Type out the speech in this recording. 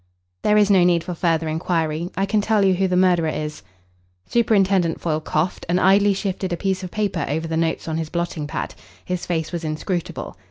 "There is no need for further inquiry. I can tell you who the murderer is." Superintendent Foyle coughed and idly shifted a piece of paper over the notes on his blotting pad. His face was inscrutable.